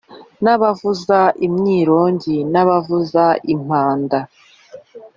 n’abavuza imyironge n’abavuza impanda,